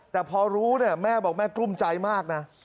แต่พอรู้เนี่ยแม่บอกแม่กลุ้มใจมากนะ